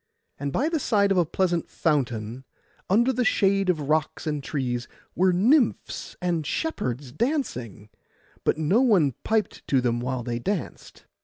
And by the side of a pleasant fountain, under the shade of rocks and trees, were nymphs and shepherds dancing; but no one piped to them while they danced.